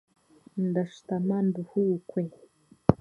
Ndashitama nduhukwe.